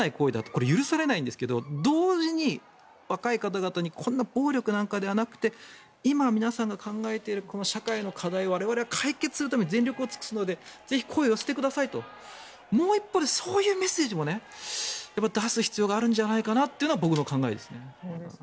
これは許されないんですけど同時に若い方々にこんな暴力なんかではなくて今、皆さんが考えているこの社会の課題を我々は解決するために全力を尽くすのでぜひ声を寄せてくださいともう一歩、そういうメッセージも出す必要があるんじゃないかなというのが僕の考えです。